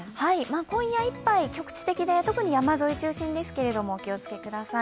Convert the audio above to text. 今夜いっぱい局地的で、特に山沿い中心にお気をつけください。